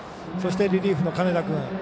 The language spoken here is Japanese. そして、リリーフの金田君。